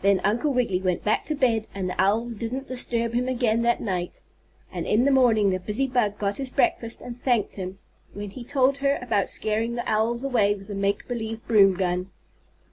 Then Uncle Wiggily went back to bed, and the owls didn't disturb him again that night. And in the morning the busy bug got his breakfast and thanked him when he told her about scaring the owls away with the make believe broom gun.